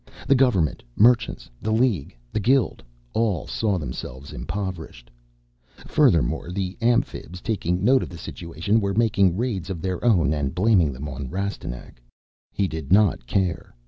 The government, merchants, the league, the guild, all saw themselves impoverished. Furthermore, the Amphibs, taking note of the situation, were making raids of their own and blaming them on Rastignac. He did not care.